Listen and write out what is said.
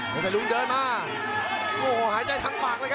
ใส่ลุงเดินมาโอ้โหหายใจทั้งปากเลยครับ